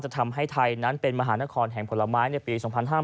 ทำให้ไทยนั้นเป็นมหานครแห่งผลไม้ในปี๒๕๕๙